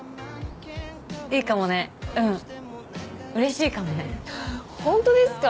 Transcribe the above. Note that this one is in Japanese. いいかもねうんうれしいかもね本当ですか？